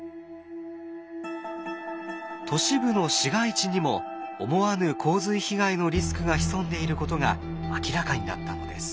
都市部の市街地にも思わぬ洪水被害のリスクが潜んでいることが明らかになったのです。